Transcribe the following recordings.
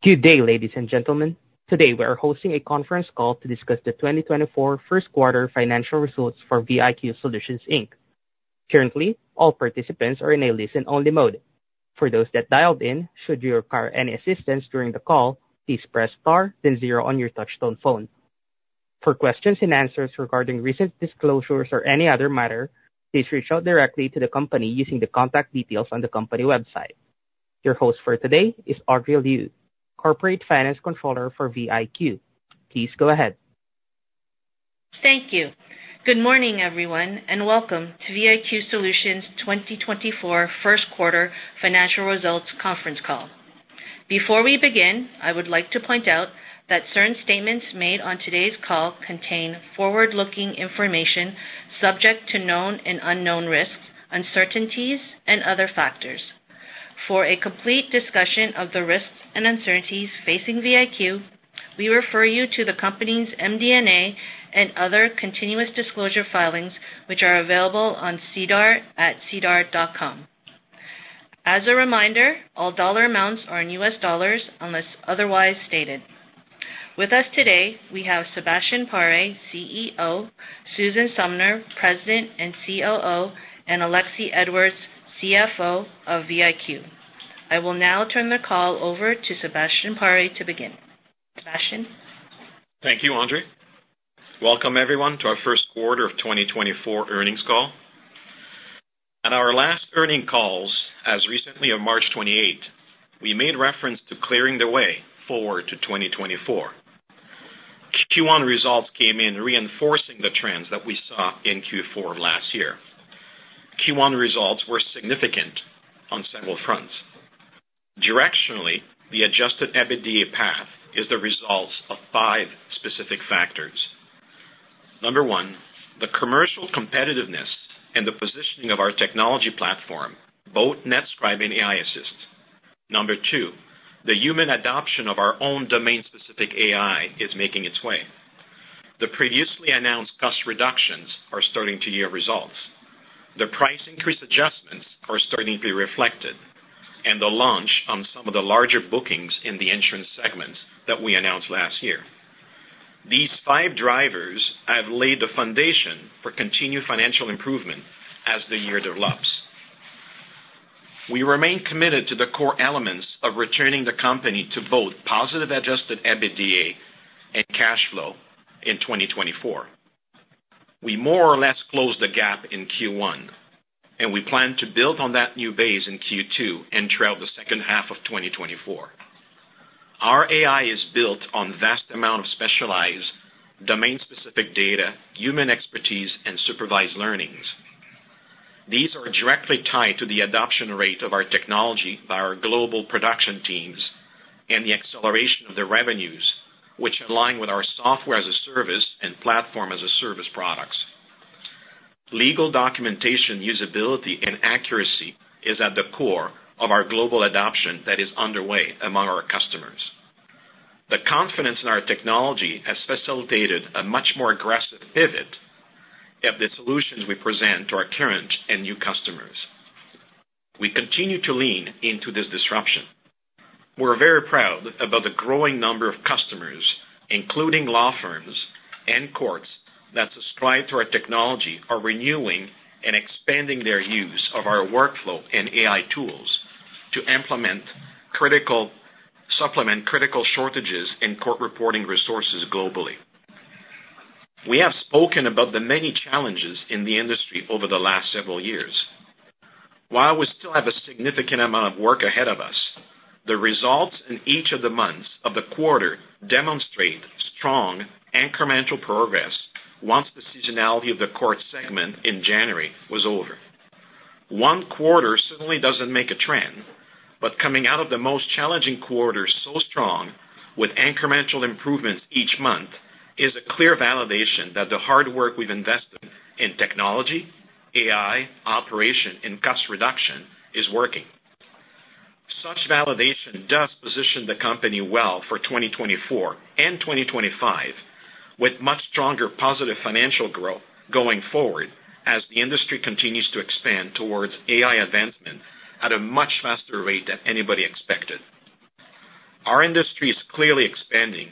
Good day, ladies and gentlemen. Today we are hosting a conference call to discuss the 2024 first quarter financial results for VIQ Solutions Inc. Currently, all participants are in a listen-only mode. For those that dialed in, should you require any assistance during the call, please press star then zero on your touch-tone phone. For questions and answers regarding recent disclosures or any other matter, please reach out directly to the company using the contact details on the company website. Your host for today is Audrey Liu, Corporate Finance Controller for VIQ. Please go ahead. Thank you. Good morning, everyone, and welcome to VIQ Solutions' 2024 first quarter financial results conference call. Before we begin, I would like to point out that certain statements made on today's call contain forward-looking information subject to known and unknown risks, uncertainties, and other factors. For a complete discussion of the risks and uncertainties facing VIQ, we refer you to the company's MD&A and other continuous disclosure filings, which are available on SEDAR at sedar.com. As a reminder, all dollar amounts are in U.S. dollars unless otherwise stated. With us today, we have Sebastien Paré, CEO; Susan Sumner, President and COO; and Alexie Edwards, CFO of VIQ. I will now turn the call over to Sebastien Paré to begin. Sebastien? Thank you, Audrey. Welcome, everyone, to our first quarter of 2024 earnings call. At our last earnings calls, as recently as March 28, we made reference to clearing the way forward to 2024. Q1 results came in reinforcing the trends that we saw in Q4 of last year. Q1 results were significant on several fronts. Directionally, the adjusted EBITDA path is the results of five specific factors. Number one, the commercial competitiveness and the positioning of our technology platform, both NetScribe and aiAssist. Number two, the human adoption of our own domain-specific AI is making its way. The previously announced cost reductions are starting to yield results. The price increase adjustments are starting to be reflected, and the launch on some of the larger bookings in the insurance segments that we announced last year. These five drivers have laid the foundation for continued financial improvement as the year develops. We remain committed to the core elements of returning the company to both positive adjusted EBITDA and cash flow in 2024. We more or less closed the gap in Q1, and we plan to build on that new base in Q2 and throughout the second half of 2024. Our AI is built on a vast amount of specialized, domain-specific data, human expertise, and supervised learnings. These are directly tied to the adoption rate of our technology by our global production teams and the acceleration of their revenues, which align with our software as a service and platform as a service products. Legal documentation, usability, and accuracy are at the core of our global adoption that is underway among our customers. The confidence in our technology has facilitated a much more aggressive pivot of the solutions we present to our current and new customers. We continue to lean into this disruption. We're very proud about the growing number of customers, including law firms and courts, that subscribe to our technology or renewing and expanding their use of our workflow and AI tools to supplement critical shortages in court reporting resources globally. We have spoken about the many challenges in the industry over the last several years. While we still have a significant amount of work ahead of us, the results in each of the months of the quarter demonstrate strong incremental progress once the seasonality of the court segment in January was over. One quarter certainly doesn't make a trend, but coming out of the most challenging quarter so strong, with incremental improvements each month, is a clear validation that the hard work we've invested in technology, AI, operation, and cost reduction is working. Such validation does position the company well for 2024 and 2025, with much stronger positive financial growth going forward as the industry continues to expand towards AI advancement at a much faster rate than anybody expected. Our industry is clearly expanding,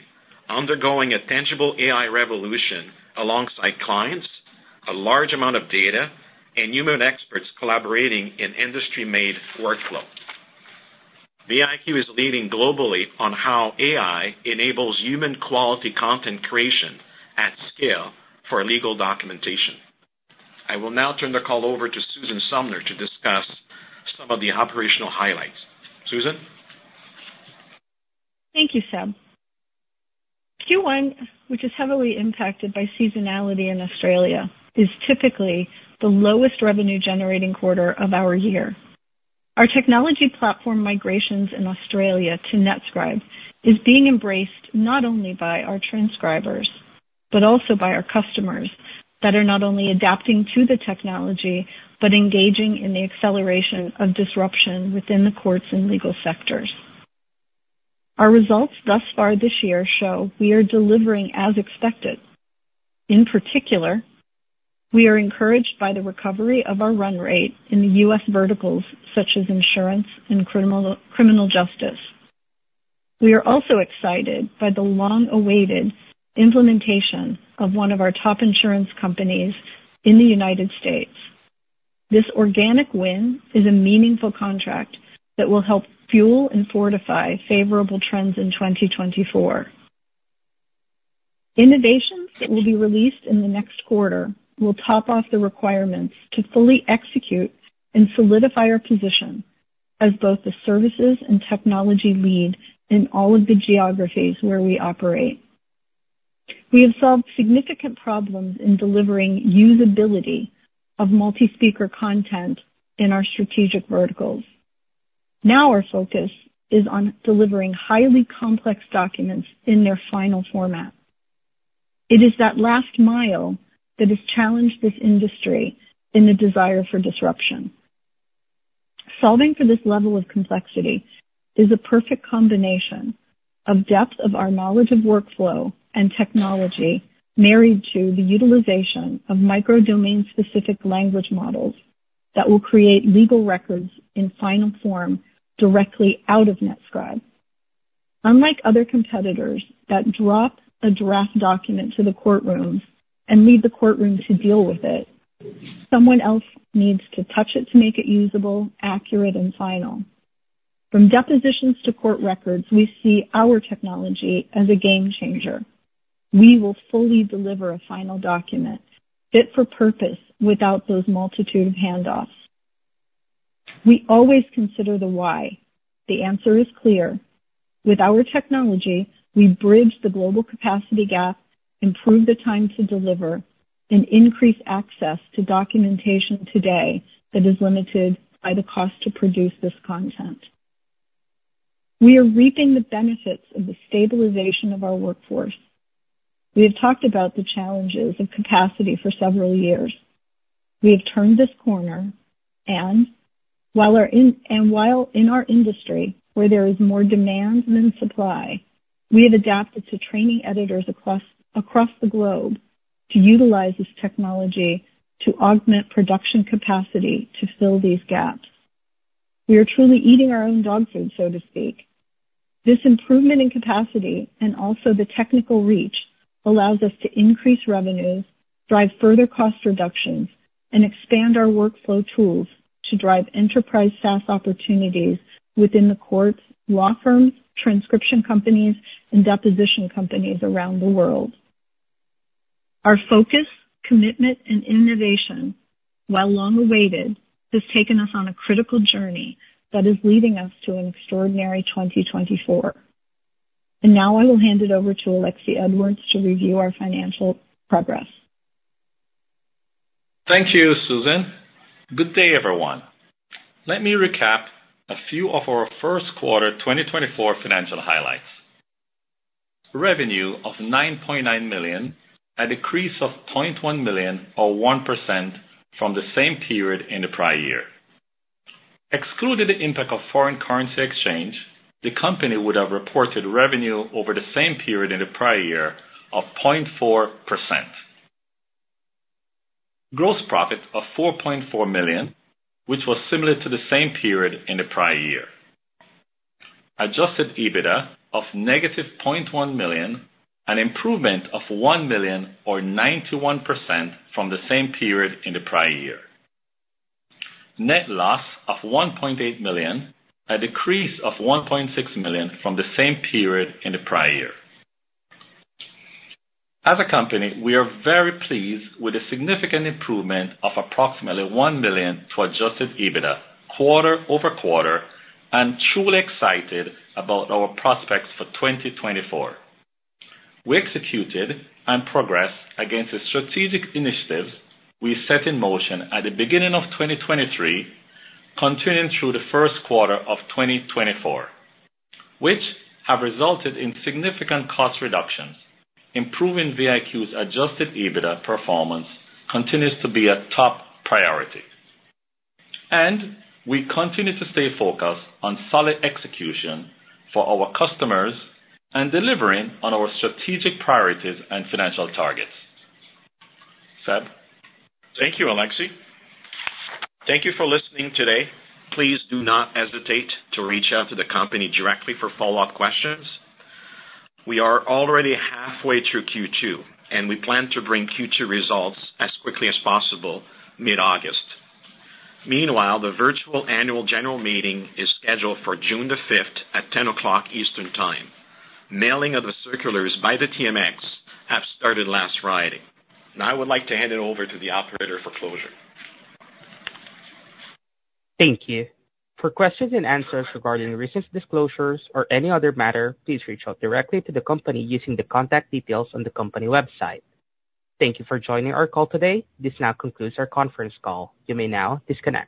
undergoing a tangible AI revolution alongside clients, a large amount of data, and human experts collaborating in industry-made workflow. VIQ is leading globally on how AI enables human-quality content creation at scale for legal documentation. I will now turn the call over to Susan Sumner to discuss some of the operational highlights. Susan? Thank you, Seb. Q1, which is heavily impacted by seasonality in Australia, is typically the lowest revenue-generating quarter of our year. Our technology platform migrations in Australia to NetScribe are being embraced not only by our transcribers but also by our customers that are not only adapting to the technology but engaging in the acceleration of disruption within the courts and legal sectors. Our results thus far this year show we are delivering as expected. In particular, we are encouraged by the recovery of our run rate in the U.S. verticals such as insurance and criminal justice. We are also excited by the long-awaited implementation of one of our top insurance companies in the United States. This organic win is a meaningful contract that will help fuel and fortify favorable trends in 2024. Innovations that will be released in the next quarter will top off the requirements to fully execute and solidify our position as both the services and technology lead in all of the geographies where we operate. We have solved significant problems in delivering usability of multi-speaker content in our strategic verticals. Now our focus is on delivering highly complex documents in their final format. It is that last mile that has challenged this industry in the desire for disruption. Solving for this level of complexity is a perfect combination of depth of our knowledge of workflow and technology married to the utilization of micro-domain-specific language models that will create legal records in final form directly out of NetScribe. Unlike other competitors that drop a draft document to the courtroom and leave the courtroom to deal with it, someone else needs to touch it to make it usable, accurate, and final. From depositions to court records, we see our technology as a game changer. We will fully deliver a final document fit for purpose without those multitude of handoffs. We always consider the why. The answer is clear. With our technology, we bridge the global capacity gap, improve the time to deliver, and increase access to documentation today that is limited by the cost to produce this content. We are reaping the benefits of the stabilization of our workforce. We have talked about the challenges of capacity for several years. We have turned this corner and, while in our industry where there is more demand than supply, we have adapted to training editors across the globe to utilize this technology to augment production capacity to fill these gaps. We are truly eating our own dog food, so to speak. This improvement in capacity and also the technical reach allows us to increase revenues, drive further cost reductions, and expand our workflow tools to drive enterprise SaaS opportunities within the courts, law firms, transcription companies, and deposition companies around the world. Our focus, commitment, and innovation, while long-awaited, has taken us on a critical journey that is leading us to an extraordinary 2024. Now I will hand it over to Alexie Edwards to review our financial progress. Thank you, Susan. Good day, everyone. Let me recap a few of our first quarter 2024 financial highlights. Revenue of $9.9 million, a decrease of $0.1 million or 1% from the same period in the prior year. Excluded the impact of foreign currency exchange, the company would have reported revenue over the same period in the prior year of 0.4%. Gross profit of $4.4 million, which was similar to the same period in the prior year. Adjusted EBITDA of -$0.1 million, an improvement of $1 million or 91% from the same period in the prior year. Net loss of $1.8 million, a decrease of $1.6 million from the same period in the prior year. As a company, we are very pleased with the significant improvement of approximately $1 million to adjusted EBITDA quarter-over-quarter and truly excited about our prospects for 2024. We executed and progressed against the strategic initiatives we set in motion at the beginning of 2023, continuing through the first quarter of 2024, which have resulted in significant cost reductions. Improving VIQ's adjusted EBITDA performance continues to be a top priority. We continue to stay focused on solid execution for our customers and delivering on our strategic priorities and financial targets. Seb? Thank you, Alexie. Thank you for listening today. Please do not hesitate to reach out to the company directly for follow-up questions. We are already halfway through Q2, and we plan to bring Q2 results as quickly as possible mid-August. Meanwhile, the virtual annual general meeting is scheduled for June the 5th at 10:00 A.M. Eastern Time. Mailing of the circulars by the TMX have started last Friday. Now I would like to hand it over to the operator for closure. Thank you. For questions and answers regarding recent disclosures or any other matter, please reach out directly to the company using the contact details on the company website. Thank you for joining our call today. This now concludes our conference call. You may now disconnect.